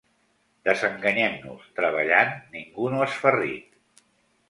Desenganyem-nos: treballant ningú no es fa ric.